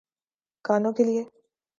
گانوں کیلئے۔